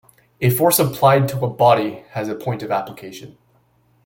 A force applied to a body has a point of application.